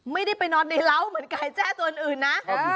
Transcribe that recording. ไม่ได้ไปนอนในเหล้าเหมือนไก่แจ้ตัวอื่นนะ